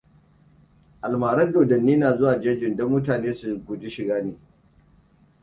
A almarar, dodanni na zuwa jejin, don mutane su guji shiga.